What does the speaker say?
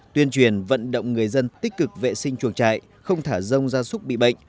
tuyên truyền vận động người dân tích cực vệ sinh chuồng trại không thả rông gia súc bị bệnh